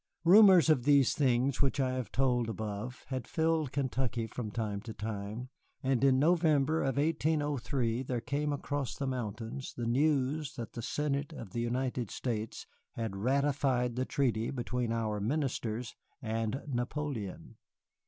Rumors of these things which I have told above had filled Kentucky from time to time, and in November of 1803 there came across the mountains the news that the Senate of the United States had ratified the treaty between our ministers and Napoleon.